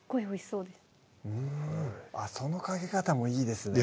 そのかけ方もいいですね